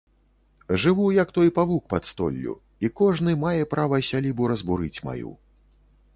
Жыву, як той павук пад столлю, і кожны мае права сялібу разбурыць маю.